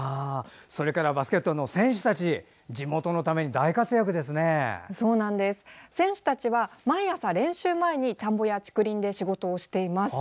それからバスケットの選手たち選手たちは毎朝、練習前に田んぼや竹林で仕事をしています。